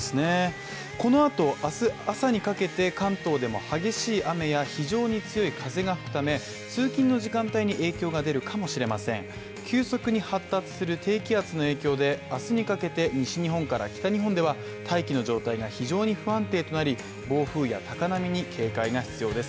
このあと、あす朝にかけて関東でも激しい雨や非常に強い風が吹くため、通勤の時間帯に影響が出るかもしれません急速に発達する低気圧の影響で、あすにかけて西日本から北日本では、大気の状態が非常に不安定となり、暴風や高波に警戒が必要です。